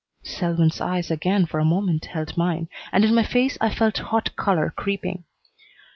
Selwyn's eyes again for a moment held mine, and in my face I felt hot color creeping.